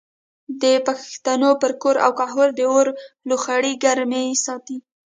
د پښتنو پر کور او کهول د اور لوخړې ګرمې ساتي.